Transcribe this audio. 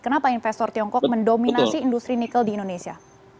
kenapa investor tiongkok mendominasi industri nikel di indonesia